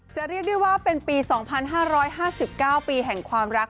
เรียกได้ว่าเป็นปี๒๕๕๙ปีแห่งความรัก